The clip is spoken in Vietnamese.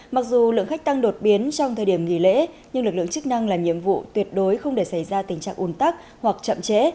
mặc dù lượng khách tăng đột biến trong thời điểm nghỉ lễ nhưng lực lượng chức năng làm nhiệm vụ tuyệt đối không để xảy ra tình trạng ồn tắc hoặc chậm trễ